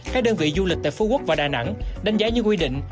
các đơn vị du lịch tại phú quốc và đà nẵng đánh giá những quy định